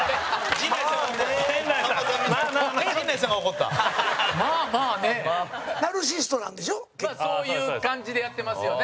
陣内：そういう感じでやってますよね。